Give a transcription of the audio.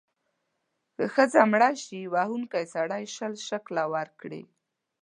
که ښځه مړه شي، وهونکی سړی شل شِکِله ورکړي.